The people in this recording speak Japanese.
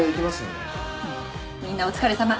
みんなお疲れさま。